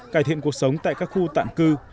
cải thiện cuộc sống tại các khu tạm cư